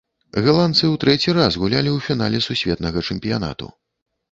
Галандцы ў трэці раз гулялі ў фінале сусветнага чэмпіянату.